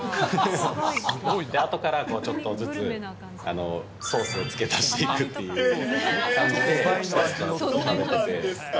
あとからちょっとずつソースをつけ足していくっていう感じでパスそうなんですか。